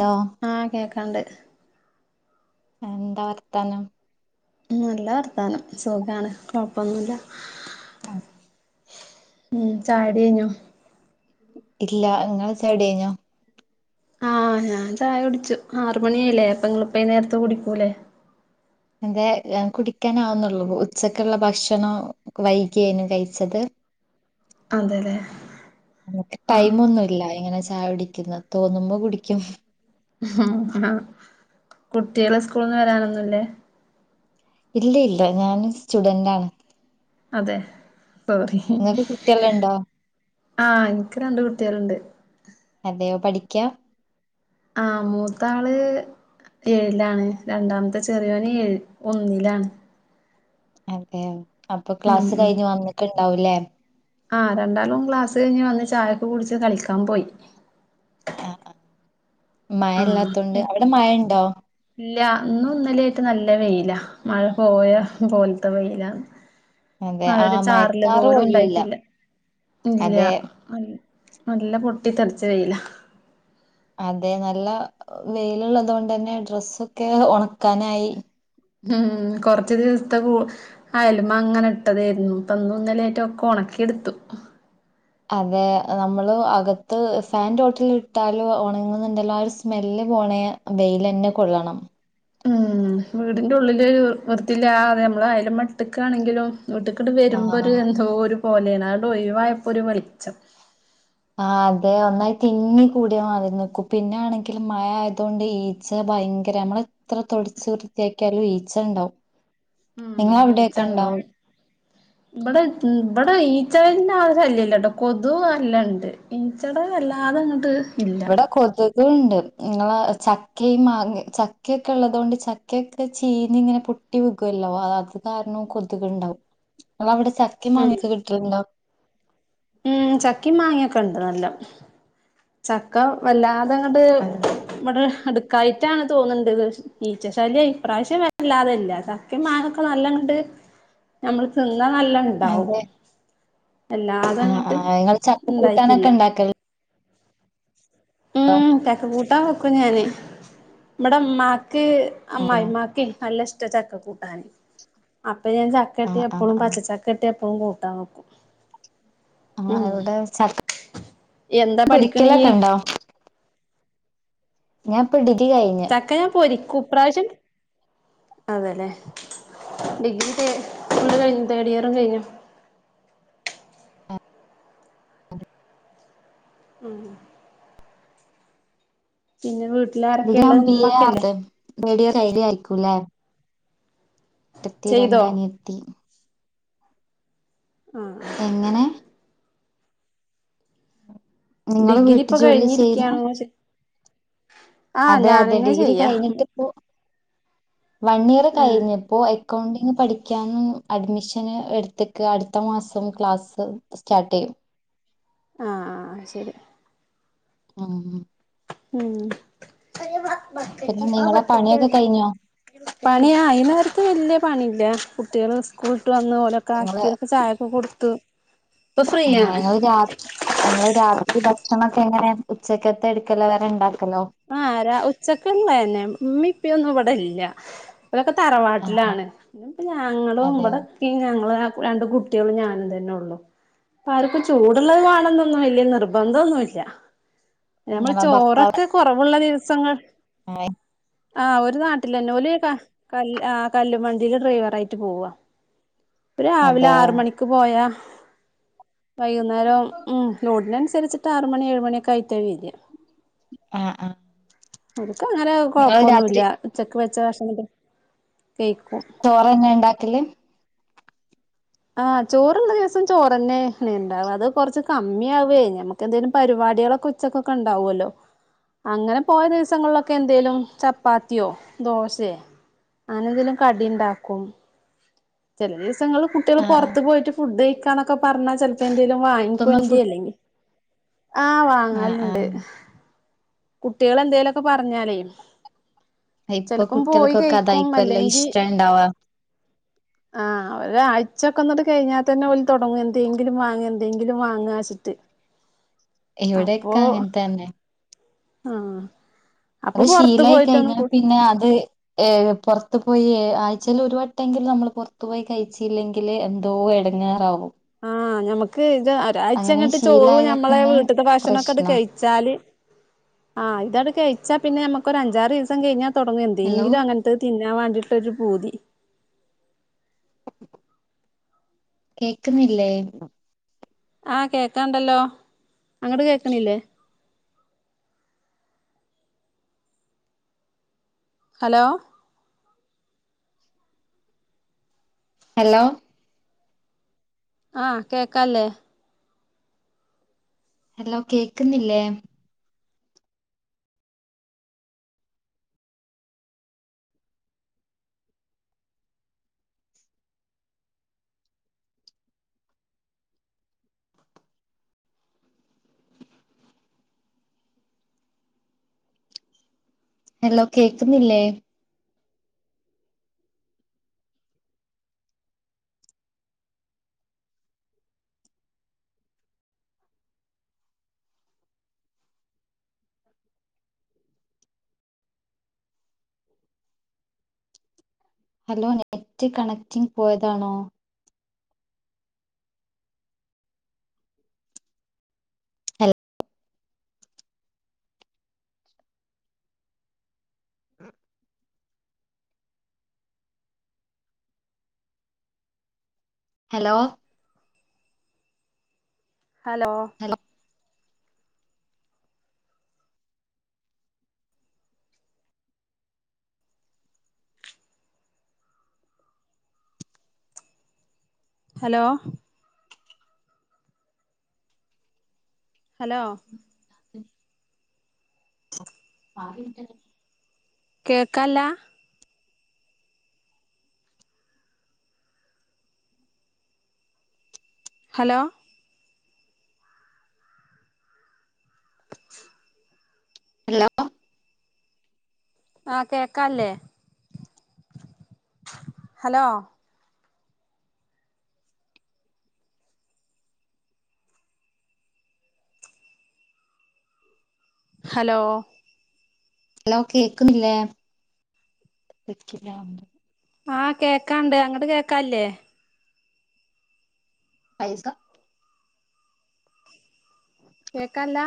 ഡാ ക്കണ്ട് എന്താ വർത്താനം നല്ല വർത്താനം സുഖാണ് കൊഴപ്പൊന്നുല്ല ആഹ് ഉം ചായുടി കയിഞ്ഞോ ഇല്ല നിങ്ങടെ ചായകുടി കയിഞ്ഞോ ആഹ ഞാൻ ചായ കുടിച്ചു ആറ് മണിയായില്ലേ അപ്പ നിങ്ങള ഇപ്പ നേരത്തെ കുടിക്കൂല്ലേ എന്തേ കുടിക്കാന ആവുന്നുള്ളൂ ഉച്ചക്കുള്ള ഭക്ഷണം വൈകിയേനു കഴിച്ചത് അതെല്ലേ ആഹ് ടൈം ഒന്നുമല്ലങ്ങനെ ചായ പിടിക്കുന്ന തോന്നുമ്പോ കുടിക്കും ഉ ആ കുട്ടികളെ സ്കൂളന്ന് വരാനൊന്നുല്ലേ ഇല്ല ഇല്ല ഞാൻ സ്റ്റുഡൻ്റാണ് അതെ നിങ്ങക്ക് കുട്ട്യള് ഇണ്ടോ ആഹ എനിക്ക് രണ്ട് കുട്ടികളുണ്ട് അതെയോ പഠിക്കാ ആ മൂത്താള് ഏഴിലാണ് രണ്ടാമത്തെ ചെറിയോന് ഏഴ ഒന്നിലാണ് അതെയോ അപ്പൊ ക്ലാസ് കഴിഞ്ഞ് വന്നിട്ടുണ്ട് ണ്ടാവുലേ ആഹ രണ്ടാലും ക്ലാസ് കഴിഞ്ഞ് വന്ന് ചായക്കെ കുടിച്ച് കളിക്കാൻ പോയി ആഹ് ആഹ് മഴ ഇല്ലാത്തൊണ്ട് അവിടെ മഴുണ്ടോ ഇല്ലാ ഇന്നും ഇന്നലെ ആയിട്ട് നല്ല വെയില മഴ പോയ പോലെ ടെ വെയിലാ അതെ നല്ലൊരു ആഹ് ചാറില് മയക്കാറ് പോലും ഇല്ല ഉണ്ടായിട്ടില്ല ഇല്ല അതെ നല്ല പൊട്ടി തറച്ച് വെയിലാ അതെ നല്ല വെയിലുള്ളതുകൊണ്ട് തന്നെ ഡ്രസ്സൊക്കെ ഉണക്കാനായി ഉം കൊറച്ച് ദിവസത്തെ കൂ ആയാലും അങ്ങനെ ഇട്ടതായിരുന്നു ഇപ്പഇന്നും ഇന്നലെക്കെയായിട്ട ഒക്കെ ഉണക്കിയെടുത്തു അതെ നമ്മള് അകത്ത് ഫാൻന്റോട്ടിൽ ഇട്ടാലോ ണങ്ങുന്നുുണ്ടല്ലോ ആ ഒരു സ്മെല്ല് പോണേ വെൽ തന്നെ കൊള്ളണം ഉം വീടിന്റെ ഉള്ളിൽ വൃത്തില്ല അതെ നമ്മള അയാലും മട്ടക്കാണെങ്കിലും വീട്ടക്കിട്ട് വരുമ്പോൾ ഒരു ആഹ് എന്തോ ഒരു പോലെയനാ ഡോയി വായപ്പൊര് വെളിച്ചം ആ അതെ ഒന്നായി തിങ്ങി കൂടിയാ മാറി നിക്കൂ പിന്നാണെങ്കിൽ മഴ ആയതുകൊണ്ട് ഈച്ച ഭയങ്കര നമ്മളെത്ര തൊടച്ച് വൃത്തിയാക്കിയാലും ഈച്ച ഉണ്ടാവും ഉം ഈച്ചണ്ടാവുംഇവിടെ ഇവിടെ ഈ ഇഈച്ചടിന്റെ ആവശ്യംമല്ല ഇല്ല കൊതുക്അല്ലാ ഉണ്ട് ഇഈച്ചട വല്ലാതെ അങ്ങോട്ട് ഇവടാ കൊതുക് കൊതുക്ണ്ട് നിങ്ങള ചക്കയും മാ ചക്കൊക്കെ ഉള്ളതൊണ്ട് ചക്കയൊക്കെ ചീഞ്ഞ് ഇങ്ങനെ പൊട്ടി നിക്കുവല്ലോ അത് കാരണവും കൊതുക് ഉണ്ടാവും നിങ്ങളവിടെ ചക്കി ഉം മാങ്ങെ കിട്ടിലണ്ടോ ഉം ചക്കയും മാങ്ങിയൊക്കെ ഉണ്ട് നല്ല ചക്ക വല്ലാ അതണ്ട് ആ. ഇവിടെ അടു കയറ്റാണ് തോന്നുണ്ട് ഈച്ചശല്യം ഇപ്രാവശ്യം വല്ലാതില്ല ചക്കെമാങ്ങൊക്കെ നല്ല കണ്ട് നമ്മള് തിന്ന് എന്നാ നല്ല ഇണ്ടാവും അല്ല ആ ആ ഇങ്ങള് ചക്കക്കൂട്ടാനൊക്കെ ഇണ്ടാക്കല് ഉം തക്ക കൂട്ടാ വെ ക്കും ഞാന് ഇബടെ ഇമ്മാക് ക് അതെ അമ്മായ്മ്മാക്കെ നല്ലെഷ് ട ചക്ക കൂ ടാണ് അപ്പ ഞാ ആഹ് ചക്കെട്ട്യാ ആഹ് എപ്പ്ളും ആഹ് പച്ചച്ചക്കെട്ട്യാ ഓ കൂട്ടാവെക്കും ആ ഇവിടെ ചക് എന്താ പഠിക്കണീയ്യ് പൊരിക്കലൊക്കെണ്ടോ ഞാ ഇപ്പ ഡിഗ് ചക്ക ഞാ പൊരി ക്കു പ്രാശം അതെല്ലേ ഡിഗ്രി തേ ഫുള്ള് കൈഞ്ഞു തേടിയറും കൈഞ്ഞു ഉം പിന്നെ വീ [unintelligible] [unintelligible] അയ്കൂലെ ട്ടത്തി ചെയ്തോ രണ്ടനിയത്തി ആഹ് എങ്ങനെ നിങ്ങള് ഡിഗ്രി വീട്ടു ഇപ്പൊ ജോലി ചെയ്യുന്ന കഴിഞ്ഞിരിക്യാണോ ചൊയ് അതെ അതെ ഡിഗ്രി കഴിഞ്ഞിട്ടിപ്പോ വൺ ഇയറ് ഉം കൈഞ്ഞിപ്പോ എ ക്കൗണ്ടിങ് പഠിക്കാനും അഡ്മിഷന് ഇട്ത്തിക്കാ അട്ത്ത മാസം ക്ലാസ് സ്റ്റാർട്ടെയും ആ ആ ആ ശെരി ആ ഉം പണിയ പിന്നെ നിങ്ങളെ പണിയൊക്കെ കഴിഞ്ഞോ [unintelligible] വെല്ല്യെ പണി [unintelligible] കുട്ട്യേള് സ്കൂൾ ട്ട് വന്ന് ഓലൊക്കെ ആക്കി ഓൽക്ക് ചായൊക്കെ കൊട്ത്തു ആ ഇങ്ങള് രാ ഇങ്ങള് രാത്രി ഭക്ഷണൊക്കെ എങ്ങനേ ഉച്ചക്കത്തെ എട്ക്കല അതോ രണ്ടാ ആ ര ഉച്ചക്കും [unintelligible] ഇമ്മിം ഇപ്പേയൊന്നു ഇവ്ട് ടെല്ല ഇവരൊക്കെ ആഹ് ആഹ് തറവാട്ട്ലാണ് ഇപ്പ ഞാങ്ങളും അതെ ഇബ്ടൊക്കെ ഞങള് രണ്ട് കുട്ടികളും ഞാനും തന്നെ ഉള്ളു അപ്പൊ ആർക്ക് ചൂടുള്ളത് കാണന്നൊന്നും വെല്യ നിർബന്ധോനില്ല മ്മള് നിങ്ങളെ ഭർത്താവ് ചോറൊക്കെ കുറവുള്ള ദിവസങ്ങൾ [unintelligible] ആ ഒരു നാട്ടിലന്നെ ഓല് ക കൽ അ കല്ലുമ്മണ്ടില് ഡ്രൈവറായിട്ട് പോവാ അതെ രാവിലാറ് മണിക്ക് പോയാ വൈകുന്നേരം ഉം ലോടിനനുസരിച്ചിട്ട് ആറ് മണി ഏഴ് മണിയെക്ക ആയിട്ടെ വര്യ ആ ആ ങ്ങനെ കൊയപ്പൊന്നുല്ല ഉച്ചക്ക് വെ [unintelligible] ചോറന്ന ണ്ടാക്കല്േ ആ ചോറള്ള ദിവസം ചോറന്നെണ്ടാവും അത് കൊറച്ച് കമ്മിയാവെ ഞമ്മക്ക് ന്തേലും പരിപാടികളൊക്കെ ഉച്ചക്കൊക്കെണ്ടാവല്ലോ അങ്ങനെ പോയ ദിവസങ്ങളിലൊക്കെ എന്തേലും ചപ്പാത്തിയോ ദോശെ അങ്ങനെന്തെലും കടി ണ്ടാക്കും [unintelligible] ങ്ങള് കുട്ടികള് ആഹ് പൊറത്ത് പോയിട്ട് ഫുഡ് [unintelligible] ന്തലും പുറത്തുന്ന് ഫു [unintelligible] ആ ആഹ് വാങ്ങല്ലുണ്ട് ആഹ് കുട്ടികളെന്തേല്ക്കെ പറഞ്ഞാലേ ഇപ്പൊ ചിലപ്പം പോയി കുട്ടികൾക്കൊക്കെ കഴിക്കും അതായിക്കുവല്ലോ ഇഷ്ടണ്ടാവാ ആ ഒരാഴ്ചൊക്കൊന്നത് കഴിഞ്ഞാതന്നെ ഓല് തൊടങ്ങും എന്തെങ്കിലും വാങ്ങ് എന്തെങ്കിലും വാങ്ങാച്ചിട്ട് ഇവിടെക്കാങ്ങനെത്തന്നെ ആ അത് ശീലായി കയിഞ്ഞ പിന്നെ അത് ഏ പൊറത്തു പോയി ആഴ്ച്ചേല് ഒരു വട്ടെങ്കിലും നമ്മൾ പൊറത്തു പോയി കയ്ച്ചില്ലെങ്കില് എന്തോ എടങ്ങേറാവും ആ ഞമ്മക്ക് ഇത് അങ്ങനെ രാഴ്ചങ്ങോട്ട് ചോറും ശീലായ ഞമ്മളെ പിന്നെ വീട്ട്ത്തെ ഭക്ഷണംക്കെട്ട് പ്രശ്നാ കയിച്ചാല് ആ ഇതട് [inaudible] ച്ചാ പിന്നെ നമുക്ക് ഒരഞ്ചാറീസം കഴിഞ്ഞ ടങ്ങു ഹലോ എന്തെങ്കിലും അങ്ങനത്തെ തിന്നാ [inaudible] ട്ടൊരു പൂതി കേക്കുന്നില്ലേ ആ കേക്കാണ്ടല്ലോ അങ്ങട് കേക്കണില്ലേ ഹലോ ഹലോ ആ കേക്കാല്ലേ ഹലോ കേക്ക്ന്നില്ലേ ഹലോ കേക്കുന്നില്ലേ ഹലോ നെറ്റ് കണക്റ്റിങ് പോയതാണോ [unintelligible] hello hello hello hello hello hello കേക്കാല്ലാ? ഹലോ. അലോ ആഹ് കേക്കാല്ലേ ഹലോ. ഹലോ. അലോ കേക്ക്ന്നില്ലേ? ആഹ് കേക്കാണ്ട് അങ്ങട്ട് കേക്കാല്ലേ? പൈസ കേക്കാല്ല.